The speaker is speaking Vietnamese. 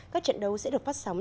các trận đấu sẽ được phát sóng